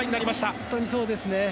本当にそうですね。